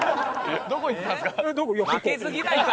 どこ行ってたんですか？